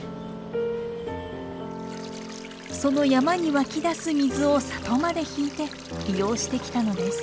その山に湧き出す水を里まで引いて利用してきたのです。